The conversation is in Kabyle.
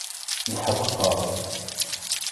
Neḥdaqer.